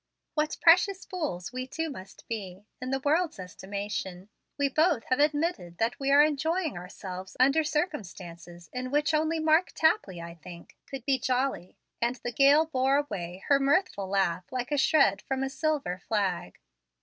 "What precious fools we two must be, in the world's estimation! We both have admitted that we are enjoying ourselves under circumstances in which only Mark Tapley, I think, could be 'jolly';" and the gale bore away her mirthful laugh like a shred from a silver flag.